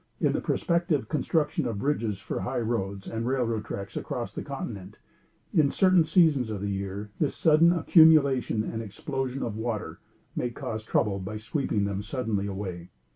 In the prospective construction of bridges for highroads and railroad tracks across the continent, in certain seasons of the year, this sudden accumulation and explosion of water may cause trouble by sweeping them suddenly away.